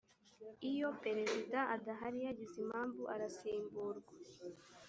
iyo perezida adahari yagize impamvu arasimburwa